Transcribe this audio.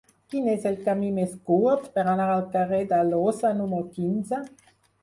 Quin és el camí més curt per anar al carrer d'Alloza número quinze?